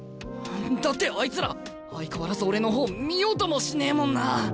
だってあいつら相変わらず俺の方見ようともしねえもんな。